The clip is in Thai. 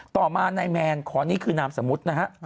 ต่อมานายแมนขอนี่คือนามสมมุตินะฮะ